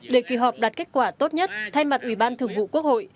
để kỳ họp đạt kết quả tốt nhất thay mặt ủy ban thường vụ quốc hội